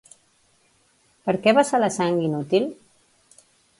Per què vessar la sang inútil?